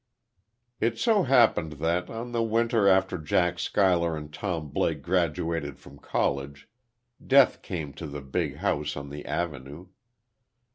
It so happened that, on the winter after Jack Schuyler and Tom Blake graduated from college, death came to the big houses on the Avenue.